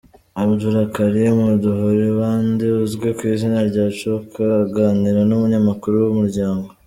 Abdulkarim Nduhirabandi uzwi ku izina rya Choka aganira n’umunyamakuru wa Umuryango.